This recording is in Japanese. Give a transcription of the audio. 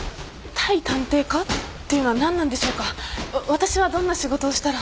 私はどんな仕事をしたら。